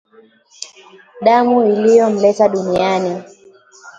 Damu iliyomleta duniani